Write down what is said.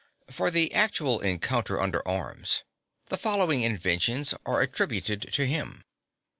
For the actual encounter under arms, the following inventions are attributed to him.